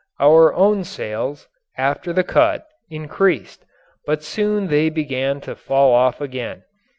Our own sales, after the cut, increased, but soon they began to fall off again.